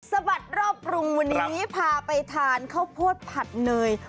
บัดรอบกรุงวันนี้พาไปทานข้าวโพดผัดเนย